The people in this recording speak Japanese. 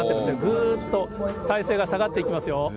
ぐーっと体勢が下がっていきますよ。